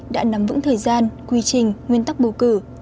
đã nắm vững thời gian quy trình nguyên tắc bầu cử